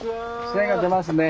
精が出ますね。